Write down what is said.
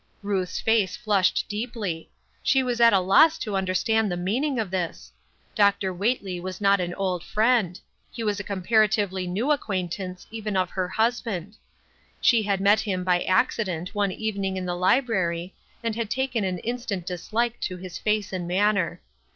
Ruth's face flushed deeply. She was at a loss to understand the meaning of this. Dr. Whately was not an old friend ; he was a comparatively new acquaintance, even of her husband. She had met him by accident one evening in the library, and had taken an instant dislike to his face and manner.